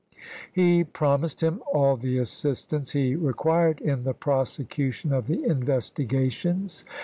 He promised him all the assistance he required in the prosecution of the in vestigations.